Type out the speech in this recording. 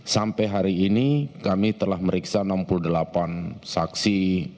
sampai hari ini kami telah meriksa enam puluh delapan saksi